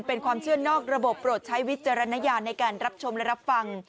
เป็นความเชื่อนอกระบบโปรดใช้วิจารณญาณในการรับชมและรับฟัง